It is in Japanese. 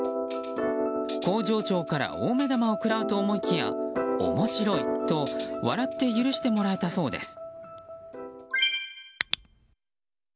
工場長から大目玉を食らうと思いきや面白いと笑って許してもらえたそうです。